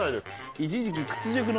一時期屈辱の。